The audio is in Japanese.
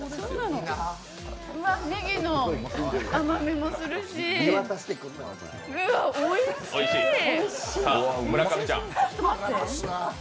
うわ、ねぎの甘みもするし、うわー、おいしいー！